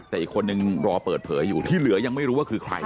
แต่อีกคนนึงรอเปิดเผยอยู่ที่เหลือยังไม่รู้ว่าคือใคร